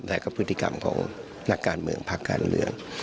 แต่ก็พฤติกรรมของนักการเมืองภาคการเมือง